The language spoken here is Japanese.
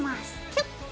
キュッと。